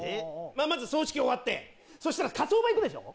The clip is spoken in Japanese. まず葬式終わってそしたら火葬場行くでしょ。